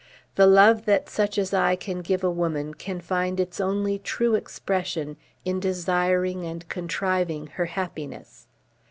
The love that such as I can give a woman can find its only true expression in desiring and contriving her happiness.